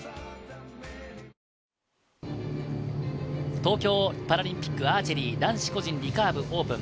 東京パラリンピック・アーチェリー男子個人リカーブオープン。